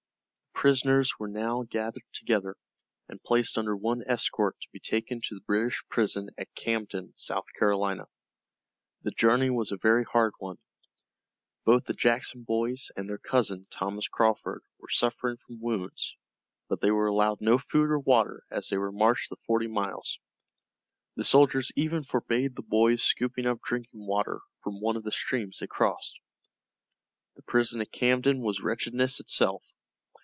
The prisoners were now gathered together, and placed under one escort to be taken to the British prison at Camden, South Carolina. The journey was a very hard one. Both the Jackson boys and their cousin, Thomas Crawford, were suffering from wounds, but they were allowed no food or water as they were marched the forty miles. The soldiers even forbade the boys scooping up drinking water from one of the streams they crossed. The prison at Camden was wretchedness itself.